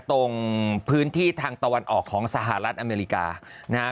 ตรงพื้นที่ทางตะวันออกของสหรัฐอเมริกานะฮะ